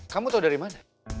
kamu tau dari mana